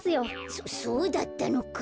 そそうだったのか。